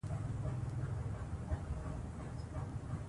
چې يو نوم يې